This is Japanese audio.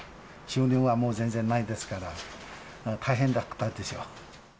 収入がもう全然ないですから、大変だったですよ。